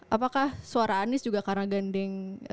apakah suara anies juga karena gandeng